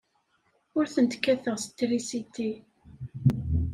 Ur tent-kkateɣ s trisiti.